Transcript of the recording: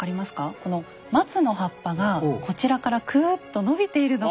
この松の葉っぱがこちらからくっと伸びているのが。